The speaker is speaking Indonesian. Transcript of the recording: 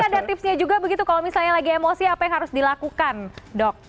tapi ada tipsnya juga begitu kalau misalnya lagi emosi apa yang harus dilakukan dok